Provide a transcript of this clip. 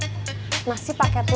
itu nanti nggak ketemu